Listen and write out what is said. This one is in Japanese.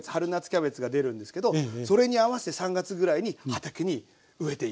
キャベツが出るんですけどそれに合わせて３月ぐらいに畑に植えていくことらしいんですよ。